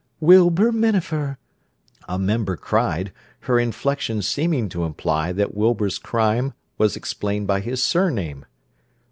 "Wilbur Minafer!" a member cried, her inflection seeming to imply that Wilbur's crime was explained by his surname.